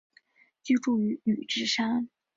居住于宇治山。